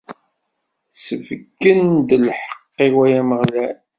Sbeyyen-d lḥeqq-iw, ay Ameɣlal.